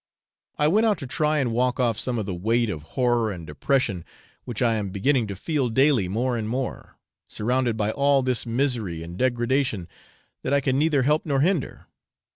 I went out to try and walk off some of the weight of horror and depression which I am beginning to feel daily more and more, surrounded by all this misery and degradation that I can neither help nor hinder.